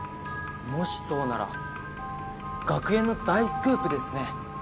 もしそうなら学園の大スクープですね。